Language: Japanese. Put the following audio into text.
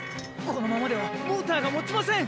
このままではモーターがもちません！